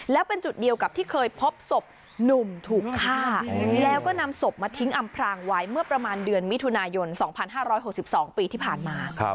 แล้วเป็นจุดเดียวกับที่เคยพบศพหนุ่มถูกฆ่าแล้วก็นำศพมาทิ้งอำพรางไว้เมื่อประมาณเดือนมิถุนายน๒๕๖๒ปีที่ผ่านมา